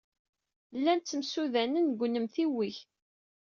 Llan ttemsudanen deg unemtiweg.